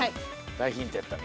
大ヒントやったね